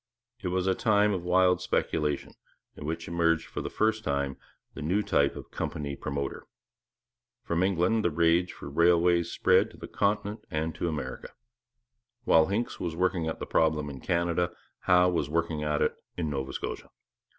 It was a time of wild speculation, in which emerged for the first time the new type of company promoter. From England the rage for railways spread to the Continent and to America. While Hincks was working at the problem in Canada, Howe was working at it in Nova Scotia.